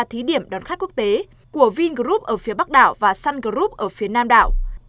thí điểm đón khách quốc tế của vingroup ở phía bắc đảo và sungroup ở phía nam đảo